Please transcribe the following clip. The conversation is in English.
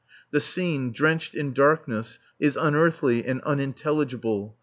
The scene, drenched in darkness, is unearthly and unintelligible.